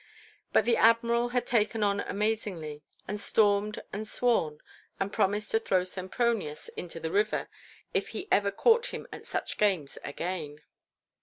But the Admiral had taken on amazingly, had stormed and sworn, and promised to throw Sempronius into the river if he ever caught him at such games again.